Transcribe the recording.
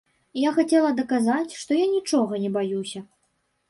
Я хацела даказаць, што я нічога не баюся.